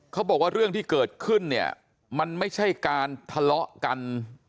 เขาบอกว่าเรื่องที่เกิดขึ้นเนี่ยมันไม่ใช่การทะเลาะกัน